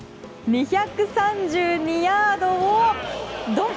２３２ヤードをどん！